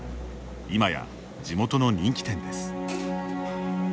今や地元の人気店です。